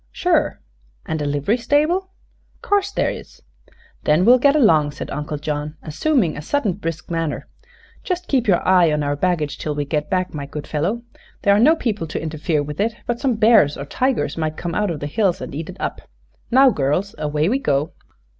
"Sure." "And a livery stable?" "'Course there is." "Then we'll get along," said Uncle John, assuming a sudden brisk manner. "Just keep your eye on our baggage till we get back, my good fellow. There are no people to interfere with it, but some bears or tigers might come out of the hills and eat it up. Now, girls, away we go!"